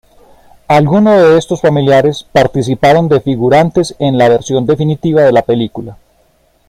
Algunos de estos familiares participaron de figurantes en la versión definitiva de la película.